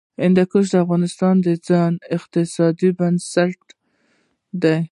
هندوکش د افغانستان د ځایي اقتصادونو بنسټ دی.